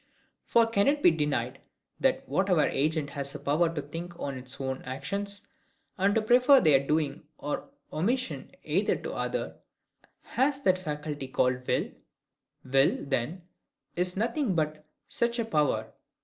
For can it be denied that whatever agent has a power to think on its own actions, and to prefer their doing or omission either to other, has that faculty called will? WILL, then, is nothing but such a power.